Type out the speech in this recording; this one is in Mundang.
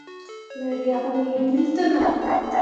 Me riak nii bill te nah.